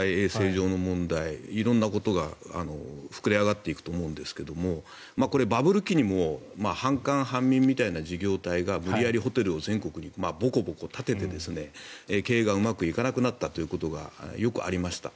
衛生上の問題色んなことが膨れ上がっていくと思うんですけどこれ、バブル期にも半官半民みたいな事業体が無理やりホテルを全国にボコボコ建てて経営がうまくいかなくなったということがよくありました。